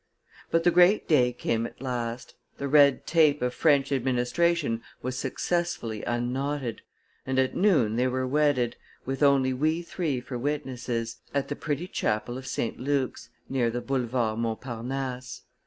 But the great day came at last; the red tape of French administration was successfully unknotted; and at noon they were wedded, with only we three for witnesses, at the pretty chapel of St. Luke's, near the Boulevard Montparnasse.